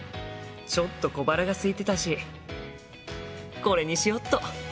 ちょっと小腹がすいてたしこれにしよっと。